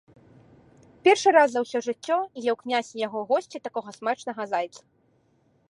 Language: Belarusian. Першы раз за ўсё жыццё еў князь і яго госці такога смачнага зайца.